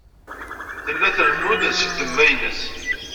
Tella trennu-d seg ddemma-nnes.